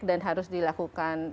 dan harus dilakukan